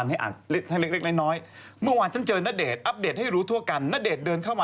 เนี่ยนะฮะเขาส่งมาอย่างงี้นะฮะ